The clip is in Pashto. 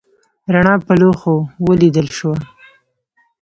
رڼا په لوښو ولیدل شوه.